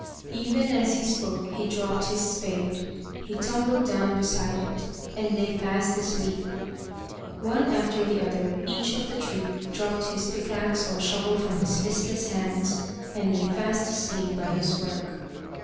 Even as he spoke, he dropped his spade. He tumbled down beside it, and lay fast asleep. One after the other each of the troop dropped his pickaxe or shovel from his listless hands, and lay fast asleep by his work.